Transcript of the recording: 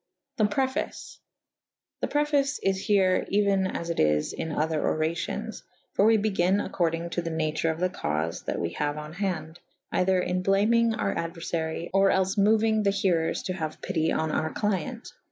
The Preface. The preface is here euyn as it is in other oracions. For we begyn accordynge to tht nature of tht. caufe that we haue on hande / either in blamyng our aduerfary / or els mouying the herers to haue pity on our client.